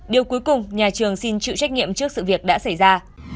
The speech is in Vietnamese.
điều cuối cùng nhà trường xin chịu trách nhiệm trước sự việc đã xảy ra